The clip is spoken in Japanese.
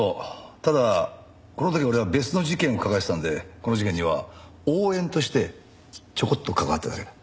ただこの時俺は別の事件を抱えてたんでこの事件には応援としてちょこっと関わっただけだ。